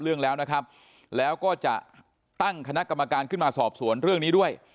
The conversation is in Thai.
เรื่องแล้วนะครับแล้วก็จะตั้งคณะกรรมการขึ้นมาสอบสวนเรื่องนี้ด้วย